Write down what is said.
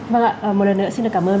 vâng ạ một lần nữa xin được cảm ơn